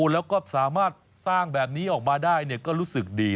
แล้วก็สามารถสร้างแบบนี้ออกมาได้ก็รู้สึกดี